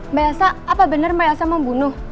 mbak elsa apa benar mbak elsa membunuh